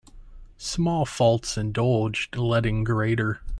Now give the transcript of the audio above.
Small faults indulged let in greater.